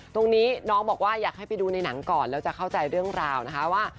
ตรงนี้น้องบอกว่าอยากให้ไปดูในหนังก่อนแล้วจะเข้าใจเรื่องราวนะคะว่า